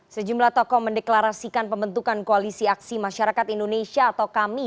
sejumlah tokoh mendeklarasikan pembentukan koalisi aksi masyarakat indonesia atau kami